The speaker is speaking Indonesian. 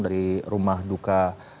dari rumah duka